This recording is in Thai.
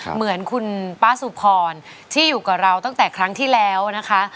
เหมือนคุณป้าสุพรที่อยู่กับเราตั้งแต่ครั้งที่แล้วนะคะ